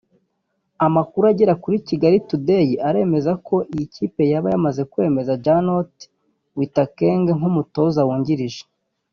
Amakuru agera kuri Kigali Today aremeza ko iyi kipe yaba yamaze kwemeza Jeannot Witakenge nk’umutoza wungirije